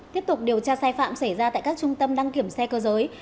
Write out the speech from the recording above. tiếp tục điều tra sai phạm xảy ra tại các trung tâm đăng kiểm xe cơ giới